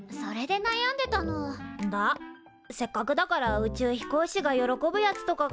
せっかくだから宇宙飛行士が喜ぶやつとかがいんだけっどよ。